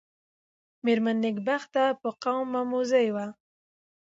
مېرمن نېکبخته په قوم مموزۍ وه.